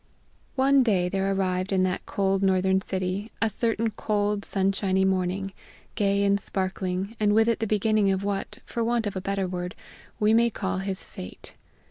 One day there arrived in that cold Northern city a certain cold, sunshiny morning, gay and sparkling, and with it the beginning of what, for want of a better word, we may call his fate.